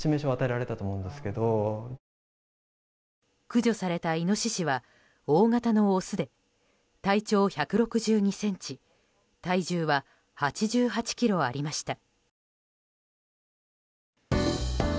駆除されたイノシシは大型のオスで体長１６２ｃｍ体重は８８ｋｇありました。